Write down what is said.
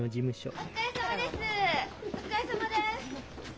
お疲れさまです。